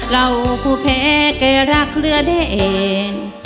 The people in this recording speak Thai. เราคู่แพ้แกรักเรือได้เอง